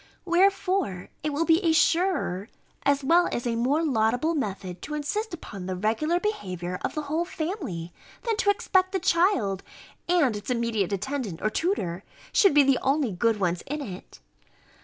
Wherefore it will be a surer, as well as a more laudable method, to insist upon the regular behaviour of the whole family, than to expect the child, and its immediate attendant or tutor, should be the only good ones in it.